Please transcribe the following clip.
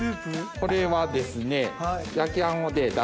これはですね。